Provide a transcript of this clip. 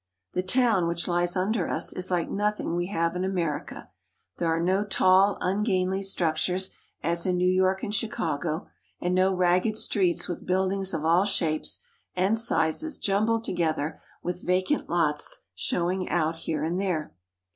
The town which lies under us is like nothing we have in America. There are no tall, ungainly structures as in New York and Chicago, and no ragged streets with buildings of all shapes and sizes jumbled together with vacant lots showing out here and there.